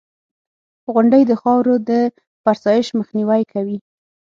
• غونډۍ د خاورو د فرسایش مخنیوی کوي.